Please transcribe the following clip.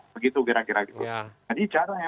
begitu kira kira gitu jadi caranya